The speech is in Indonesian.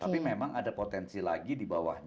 tapi memang ada potensi lagi di bawahnya